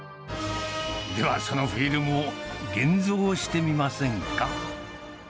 ではそのフィルムを現像してみませんか。